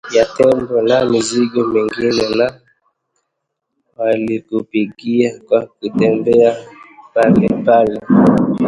ya tembo na mizigo mingine na walikipigwa kwa kutembea polepole